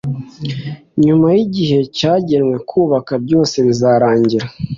nyuma y igihe cyagenwe kubaka byose bizarangira